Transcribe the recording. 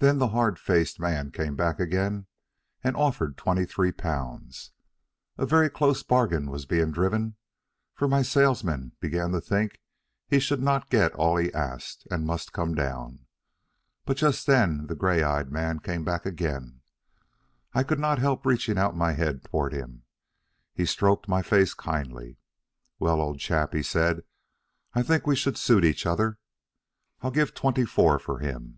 Then the hard faced man came back again and offered twenty three pounds. A very close bargain was being driven, for my salesman began to think he should not get all he asked, and must come down; but just then the gray eyed man came back again. I could not help reaching out my head toward him. He stroked my face kindly. "Well, old chap," he said, "I think we should suit each other. I'll give twenty four for him."